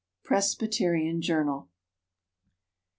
Presbyterian Journal.